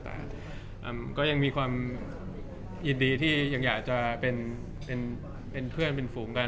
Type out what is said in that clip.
แต่ก็ยังมีความยินดีที่ยังอยากจะเป็นเพื่อนเป็นฝูงกัน